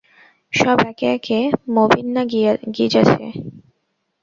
সব একে একে মবিন্যা গিযাছে।